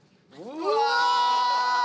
うわ！